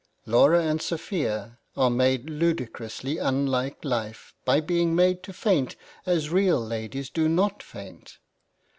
Laura and Sophia are made ludicrously unlike life by being made to faint as real ladies do not faint.